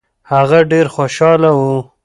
هغه ډېر خوشاله و.